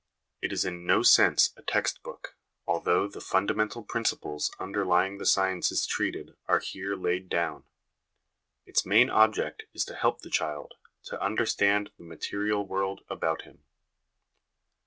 It is in LESSONS AS INSTRUMENTS OF EDUCATION 267 no sense a text book, although the fundamental principles underlying the sciences treated are here laid down. Its main object is to help the child to understand the material world about him.